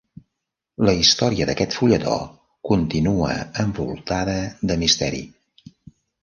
La història d'aquest fulletó continua envoltada de misteri.